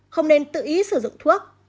không nên tự ý sử dụng thuốc